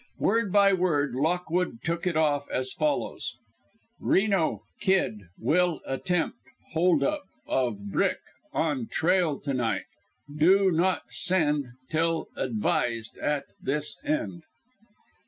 Word by word Lockwood took it off as follows: "Reno Kid will attempt hold up of brick on trail to night do not send till advised at this end."